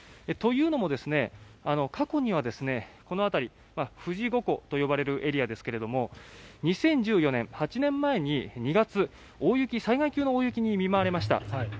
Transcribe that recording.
というのも、過去にはこの辺り富士五湖と呼ばれるエリアですが２０１４年、８年前の２月災害級の大雪に見舞われました。